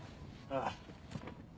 ああ。